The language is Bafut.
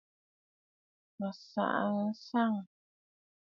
Matsàgə̀ nɨ̀sɔ̀ŋ.